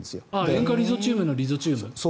塩化リゾチームのリゾチーム？